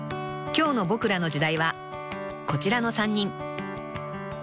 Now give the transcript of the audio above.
［今日の『ボクらの時代』はこちらの３人］